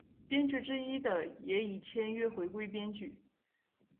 编剧之一的也已签约回归编剧。